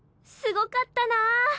すごかったなぁ。